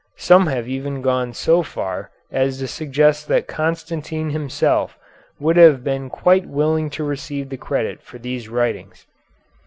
Some have even gone so far as to suggest that Constantine himself would have been quite willing to receive the credit for these writings.